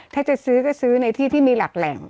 ถ้าจะซื้อก็ซื้อในที่ที่มีหลักแหล่ง